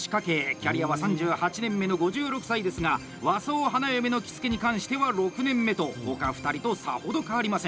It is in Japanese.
キャリアは３８年目の５６歳ですが、和装花嫁の着付に関しては６年目と他２人とさほど変わりません。